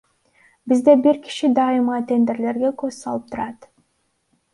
Бизде бир киши дайыма тендерлерге көз салып турат.